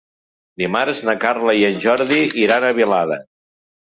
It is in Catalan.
Dimarts na Carla i en Jordi iran a Vilada.